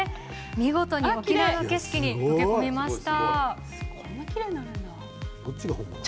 見事に沖縄の景色に溶け込みました。